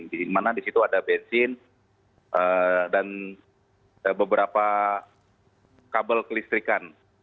di mana di situ ada bensin dan beberapa kabel kelistrikan